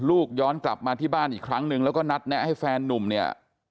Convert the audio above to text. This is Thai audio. ย้อนกลับมาที่บ้านอีกครั้งนึงแล้วก็นัดแนะให้แฟนนุ่มเนี่ย